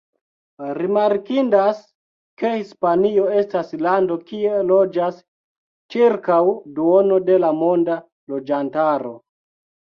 Rimarkindas, ke Hispanio estas lando kie loĝas ĉirkaŭ duono de la monda loĝantaro.